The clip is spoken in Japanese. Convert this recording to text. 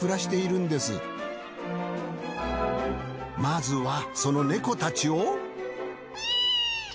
まずはそのネコたちを。